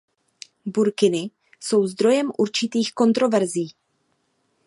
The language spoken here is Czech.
Burkiny jsou zdrojem určitých kontroverzí.